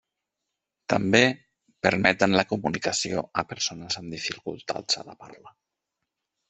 També permeten la comunicació a persones amb dificultats en la parla.